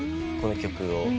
この曲を。